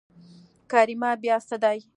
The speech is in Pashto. کريمه بيا څه دي.